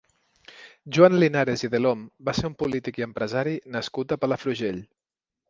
Joan Linares i Delhom va ser un polític i empresari nascut a Palafrugell.